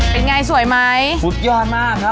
เป็นไงสวยไหมสุดยอดมากครับผมนอกจากตรงหน้าตาดีแล้ว